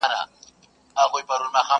نه واسکټ، نه به ځان مرګی، نه به ترور وي؛